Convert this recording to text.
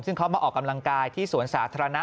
ซึ่งเขามาออกกำลังกายที่สวนสาธารณะ